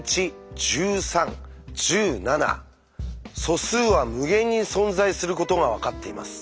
素数は無限に存在することが分かっています。